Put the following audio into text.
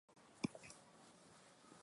Mataifa yote nayo yajue.